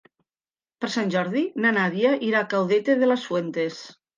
Per Sant Jordi na Nàdia irà a Caudete de las Fuentes.